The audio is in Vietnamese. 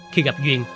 khi gặp duyên